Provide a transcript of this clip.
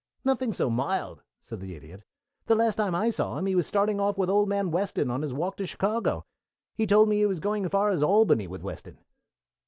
"Nothing so mild," said the Idiot. "The last time I saw him he was starting off with old man Weston on his walk to Chicago. He told me he was going as far as Albany with Weston."